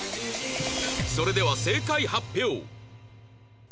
それでは正解発表